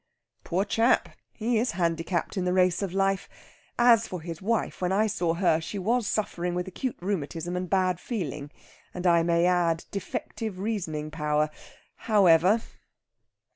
"Poor chap! He's handicapped in the race of life. As for his wife, when I saw her she was suffering with acute rheumatism and bad feeling and, I may add, defective reasoning power. However...."